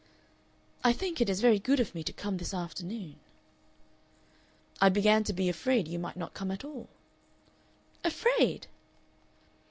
"I think it is very good of me to come this afternoon." "I began to be afraid you might not come at all." "Afraid!"